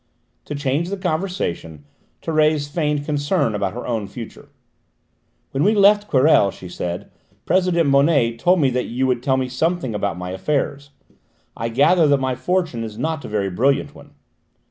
To change the conversation Thérèse feigned concern about her own future. "When we left Querelles," she said, "President Bonnet told me that you would tell me something about my affairs. I gather that my fortune is not a very brilliant one."